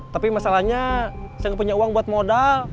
tapi masalahnya saya nggak punya uang buat modal